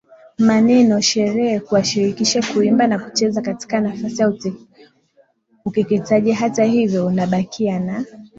maneno sherehe kuwashirikisha kuimba na kucheza katika nafasi ya ukeketaji Hata hivyo unabakia na